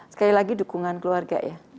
sekali lagi dukungan keluarga ya